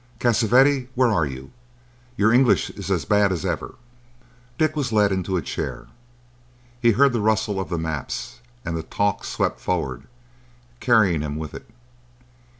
—Cassavetti, where are you? Your English is as bad as ever." Dick was led into a chair. He heard the rustle of the maps, and the talk swept forward, carrying him with it.